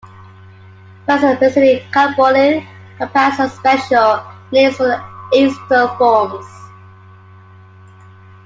Various specific carbonyl compounds have special names for their acetal forms.